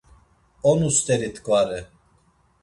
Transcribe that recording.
Onu st̆eri t̆ǩvare.